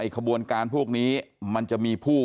ขบวนการพวกนี้มันจะมีผู้